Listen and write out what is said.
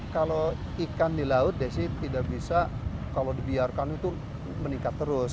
kalau ikan di laut desi tidak bisa kalau dibiarkan itu meningkat terus